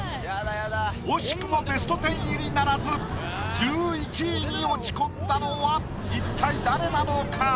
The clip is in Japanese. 惜しくもベスト１０入りならず１１位に落ち込んだのは一体誰なのか？